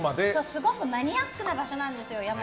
すごくマニアックな場所なんですよ。